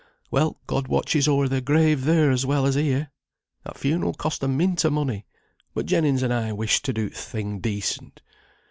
Well, God watches o'er their grave there as well as here. That funeral cost a mint o' money, but Jennings and I wished to do th' thing decent.